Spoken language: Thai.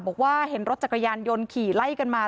บอกว่าเห็นรถจักรยานยนต์ขี่ไล่กันมา